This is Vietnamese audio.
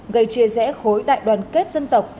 gây chia rẽ khối đại đoàn kết dân tộc